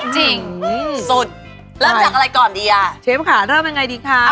จริงสุดเริ่มจากอะไรก่อนดีอ่ะเชฟค่ะเริ่มยังไงดีคะ